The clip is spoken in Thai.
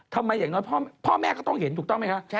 อย่างน้อยพ่อแม่ก็ต้องเห็นถูกต้องไหมคะ